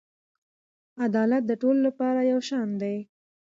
عدالت د ټولو لپاره یو شان دی.